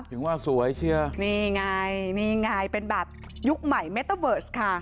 ถึงว่าสวยเชียวนี่ไงนี่ไงเป็นแบบยุคใหม่เมตเตอร์เวิร์สค่ะ